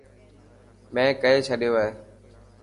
مين ڪئي ڇڏيو هي.